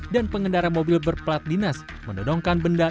dan pengendara mobil berplat dinas menodongkan benda